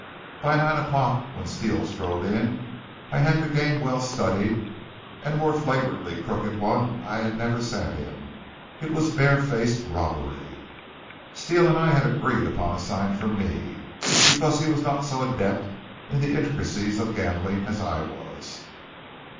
By nine o'clock, when Steele strolled in, I had the game well studied, and a more flagrantly crooked one I had never sat in. It was barefaced robbery. Steele and I had agreed upon a sign from me, because he was not so adept in the intricacies of gambling as I was.